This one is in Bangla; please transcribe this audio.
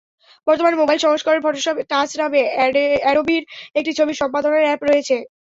বর্তমানে মোবাইল সংস্করণে ফটোশপ টাচ নামে অ্যাডোবির একটি ছবি সম্পাদনার অ্যাপ রয়েছে।